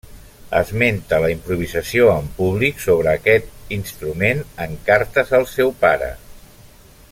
Esmenta la improvisació en públic sobre aquest instrument en cartes al seu pare.